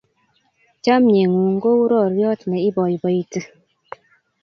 Chomye ng'ung' kou roryot ne ipoipoiti.